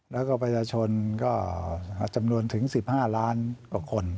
แล้วก็ประชาชนก็จำนวนถึง๑๕ล้านกว่าคน